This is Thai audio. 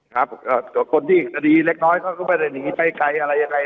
ครับคนที่สดีเล็กน้อยก็ไม่ได้หนีใครอะไรยังไง